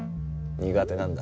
苦手なんだ。